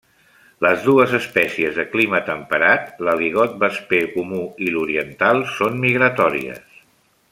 Les dues espècies de clima temperat, l'aligot vesper comú i l'oriental, són migratòries.